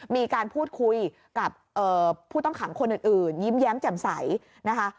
มีการพูดคุยกับผู้ต้องขังคนอื่นยิ้มแย้มแจ่มใสนะคะ